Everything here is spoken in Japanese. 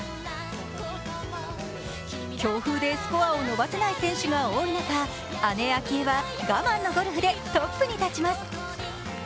強風でスコアを伸ばせない選手が多い中、姉・明愛は我慢のゴルフでトップに立ちます。